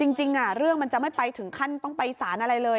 จริงเรื่องมันจะไม่ไปถึงขั้นต้องไปสารอะไรเลย